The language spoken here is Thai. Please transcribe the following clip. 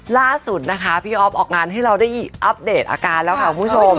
ล่าสุดนะคะพี่อ๊อฟออกงานให้เราได้อัปเดตอาการแล้วค่ะคุณผู้ชม